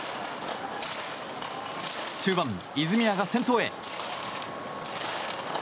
中盤、泉谷が先頭へ。